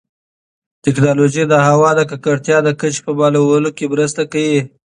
ټیکنالوژي د هوا د ککړتیا د کچې په معلومولو کې مرسته کوي.